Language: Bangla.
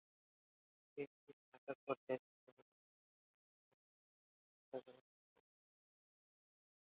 এটি একটি স্নাতক পর্যায়ের শিক্ষা প্রতিষ্ঠান এবং এ প্রতিষ্ঠানে সহ-শিক্ষা ব্যবস্থা রয়েছে।